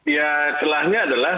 ya celahnya adalah